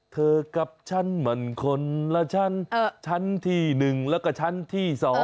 เธอกับชั้นเหมือนคนและชั้นที่๑และก็ชั้นที่๒